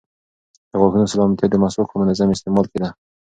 د غاښونو سلامتیا د مسواک په منظم استعمال کې ده.